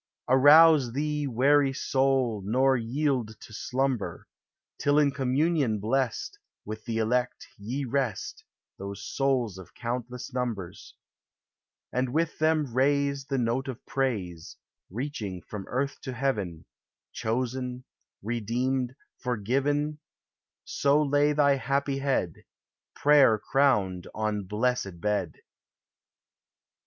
Arouse thee, weary soul, nor yield to slumber, Till in communion blest With the elect ye rest Those souls of countless numbers; And with them raise The note of praise, Reaching from earth to heaven Chosen, redeemed, forgiven; So lay thy happy head, Prayer crowned, on blessed bed.